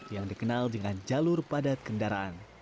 yang dikenal dengan jalur padat kendaraan